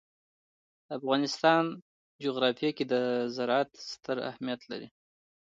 د افغانستان جغرافیه کې زراعت ستر اهمیت لري.